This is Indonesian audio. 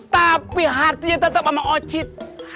tapi hatinya tetap sama ocit